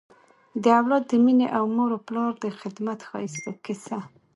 د اولاد د مینې او مور و پلار د خدمت ښایسته کیسه